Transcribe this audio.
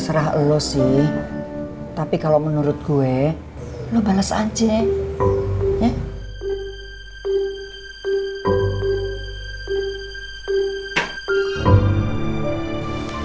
serah lo sih tapi kalau menurut gue lo bales aja ya